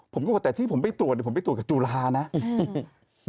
ผมก็ก็บอกแต่ที่ผมไปตรวจดูผมไปตรวจอยู่ตรอจุฬา